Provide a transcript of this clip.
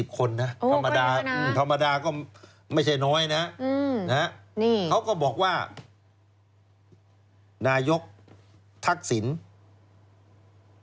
๑๒๐คนนะธรรมดาก็ไม่ใช่น้อยนะเขาก็บอกว่านายกทักศิลป์